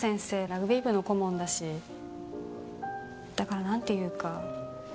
ラグビー部の顧問だしだからなんて言うか。